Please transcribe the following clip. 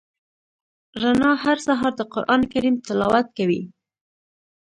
رڼا هر سهار د قران کریم تلاوت کوي.